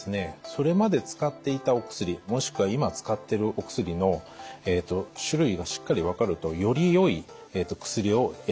それまで使っていたお薬もしくは今使っているお薬の種類がしっかりと分かるとよりよい薬を選べます。